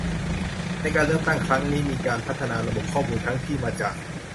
ในการเลือกตั้งครั้งนี้มีการพัฒนาระบบข้อมูลทั้งที่มาจาก